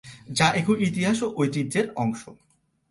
যা এখন ইতিহাস ও ঐতিহ্যের অংশ।